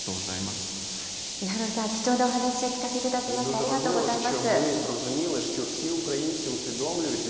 ミハイロさん、貴重なお話聞かせていただきまして、ありがとうございます。